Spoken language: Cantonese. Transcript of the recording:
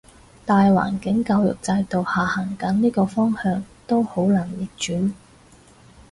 大環境教育制度係行緊呢個方向，都好難逆轉